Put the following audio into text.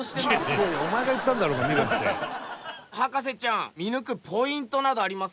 博士ちゃん見抜くポイントなどありますか？